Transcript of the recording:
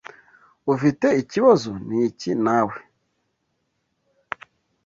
Ufite ikibazo niki, nawe?